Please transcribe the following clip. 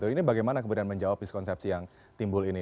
ini bagaimana kemudian menjawab miskonsepsi yang timbul ini